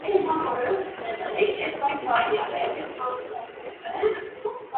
Այս ծեսերն իրենց մեջ ներառում էին երաժշտություն և խմիչք։